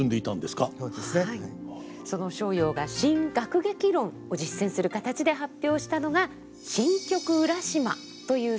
その逍遙が「新楽劇論」を実践する形で発表したのが「新曲浦島」という作品です。